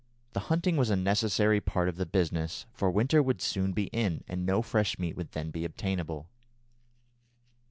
The hunting was a necessary part of the business, for winter would soon be in and no fresh meat would then be obtainable.